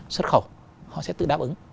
xuất khẩu họ sẽ tự đáp ứng